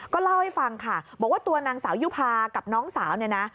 ก็เล่าให้ฟังค่ะบอกว่าตัวนางสาวยุภากับน้องสาวเนี่ยนะ